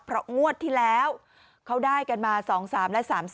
เพราะงวดที่แล้วเขาได้กันมา๒๓และ๓๓